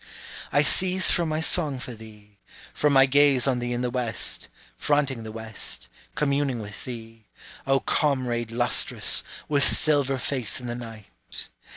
I cease from my song for thee, From my gaze on thee in the west, fronting the west, communing with thee, O comrade lustrous, with silver face in the night.